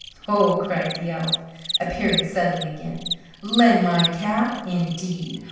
"Ho," cried the elf, appearing suddenly again. "Lend my cap, indeed!